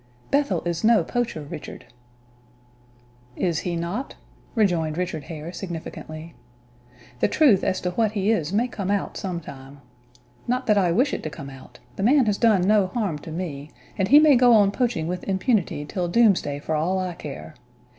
"Bethel is no poacher, Richard." "Is he not?" rejoined Richard Hare, significantly. "The truth as to what he is may come out, some time. Not that I wish it to come out; the man has done no harm to me, and he may go on poaching with impunity till doomsday for all I care.